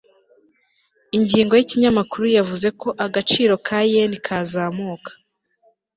ingingo yikinyamakuru yavuze ko agaciro ka yen kazamuka